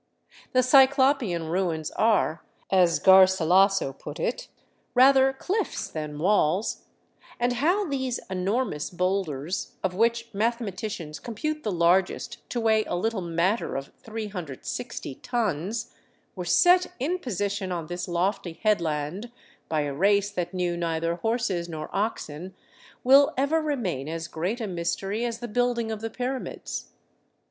The cyclopean ruins are, as Garsilaso put it, " rather cliffs than walls," and how these enormous boulders, of which mathematicians compute the largest to weigh a little matter of 360 tons, were set in position on this lofty headland by a race that knew neither horses nor oxen will ever remain as great a mystery as the building of the pyramids.